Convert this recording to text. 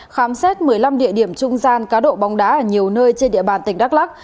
khám xét một mươi năm địa điểm trung gian cá độ bóng đá ở nhiều nơi trên địa bàn tỉnh đắk lắc